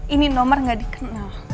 ini nomor nggak dikenal